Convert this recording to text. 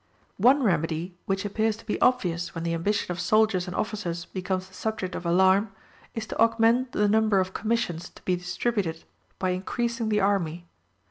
One remedy, which appears to be obvious when the ambition of soldiers and officers becomes the subject of alarm, is to augment the number of commissions to be distributed by increasing the army.